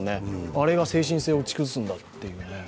あれが精神性を打ち崩すんだというね。